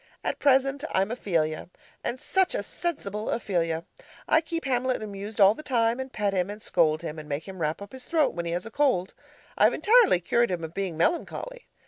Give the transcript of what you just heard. At present I'm Ophelia and such a sensible Ophelia! I keep Hamlet amused all the time, and pet him and scold him and make him wrap up his throat when he has a cold. I've entirely cured him of being melancholy.